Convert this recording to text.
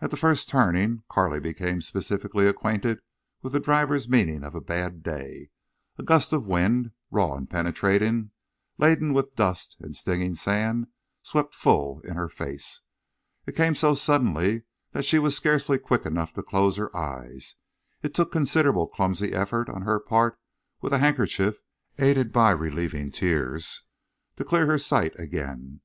At the first turning Carley became specifically acquainted with the driver's meaning of a bad day. A gust of wind, raw and penetrating, laden with dust and stinging sand, swept full in her face. It came so suddenly that she was scarcely quick enough to close her eyes. It took considerable clumsy effort on her part with a handkerchief, aided by relieving tears, to clear her sight again.